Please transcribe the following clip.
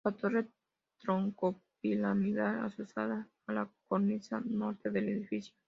La torre troncopiramidal adosada a la cornisa norte del edificio.